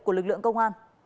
của lực lượng công an